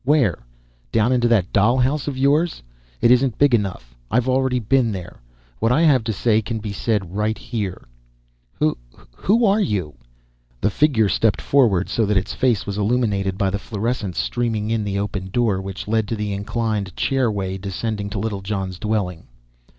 "Where? Down into that dollhouse of yours? It isn't big enough. I've already been there. What I have to say can be said right here." "W who are you?" The figure stepped forward, so that its face was illuminated by the fluorescence streaming from the open door which led to the inclined chairway descending to Littlejohn's dwelling.